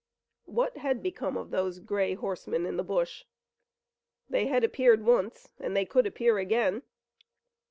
What had become of those gray horsemen in the bush? They had appeared once and they could appear again.